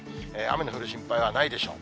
雨の降る心配はないでしょう。